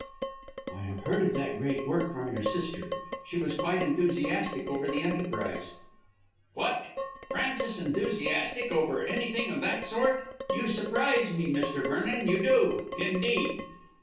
"I have heard of that great work from your sister. She was quite enthusiastic over the enterprise." "What! Frances enthusiastic over anything of that sort? You surprise me, Mr. Vernon, you do, indeed.